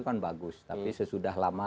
kan bagus tapi sesudah lama